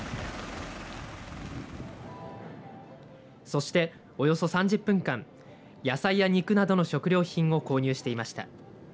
そして、およそ３０分間野菜や肉などの食料品を購入していました。